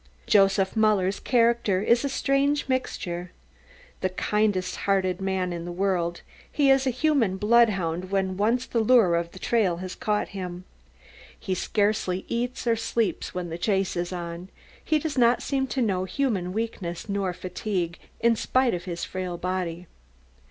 Joseph Muller's character is a strange mixture. The kindest hearted man in the world, he is a human bloodhound when once the lure of the trail has caught him. He scarcely eats or sleeps when the chase is on, he does not seem to know human weakness nor fatigue, in spite of his frail body.